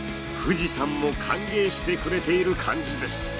富士山も歓迎してくれている感じです。